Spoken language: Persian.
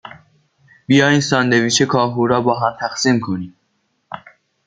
بیا این ساندویچ کاهو را باهم تقسیم کنیم.